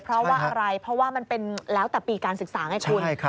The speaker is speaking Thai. เพราะว่าอะไรเพราะว่ามันเป็นแล้วแต่ปีการศึกษาไงคุณ